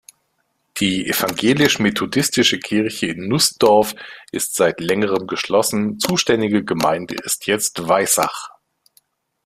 Die Evangelisch-methodistische Kirche in Nussdorf ist seit längerem geschlossen, zuständige Gemeinde ist jetzt Weissach.